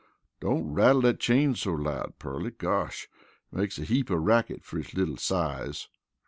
Don't rattle dat chain so loud, Pearly! Gosh! It makes a heap of racket fer its little size."